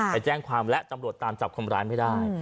ไปแจ้งความและตำรวจตามจับคนร้ายไม่ได้